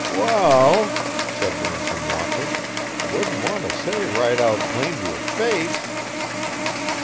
'Wall,' said Ransom Walker, 'wouldn't want t' say right out plain t' yer face.'